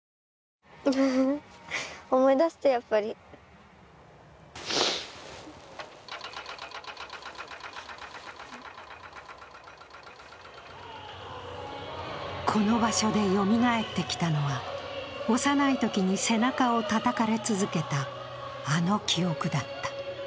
思い出すと、やっぱりこの場所でよみがえってきたのは、幼いときに背中をたたかれ続けたあの記憶だった。